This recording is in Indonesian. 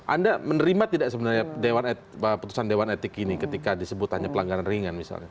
anda menerima tidak sebenarnya putusan dewan etik ini ketika disebut hanya pelanggaran ringan misalnya